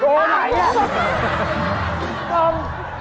โต้ใหม่